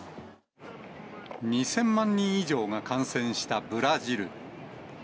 ２０００万人以上が感染したブラジル。